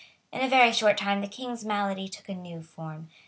In a very short time the King's malady took a new form.